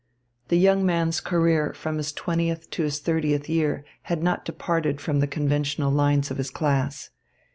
The young man's career from his twentieth to his thirtieth year had not departed from the conventional lines of his class.